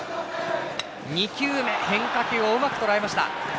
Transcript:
２球目、変化球をうまくとらえました。